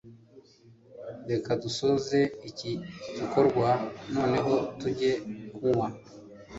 reka dusoze iki gikorwa noneho tujye kunywa